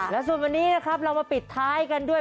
แล้วส่วนวันนี้นะครับเรามาปิดท้ายกันด้วย